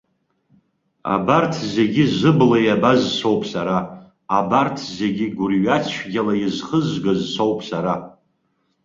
Абарҭ зегьы зыбла иабаз соуп сара, абарҭ зегьы гәырҩацәгьала изхызгаз соуп сара.